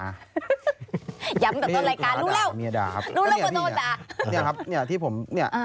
ย้ำตัวต้นรายการรู้แล้วมีอด่าครับ